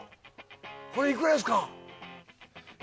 これいくらですか？